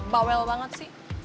bawel banget sih